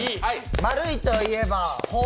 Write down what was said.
丸いといえば、星。